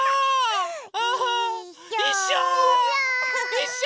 いっしょ！